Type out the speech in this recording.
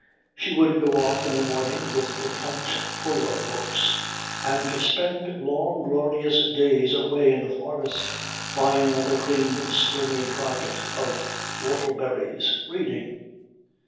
She would go off in the morning with the punt full of books, and spend long glorious days away in the forest lying on the green springy carpet of whortleberries, reading.